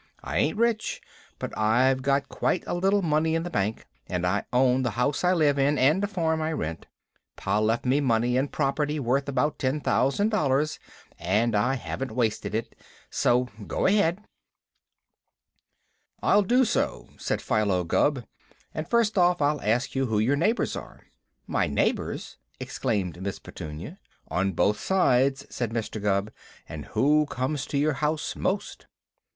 "I ain't rich, but I've got quite a little money in the bank, and I own the house I live in and a farm I rent. Pa left me money and property worth about ten thousand dollars, and I haven't wasted it. So go ahead." [Illustration: "YOU ARE A MAN, AND BIG AND STRONG AND BRAVE LIKE"] "I'll so do," said Philo Gubb; "and first off I'll ask you who your neighbors are." "My neighbors!" exclaimed Miss Petunia. "On both sides," said Mr. Gubb, "and who comes to your house most?"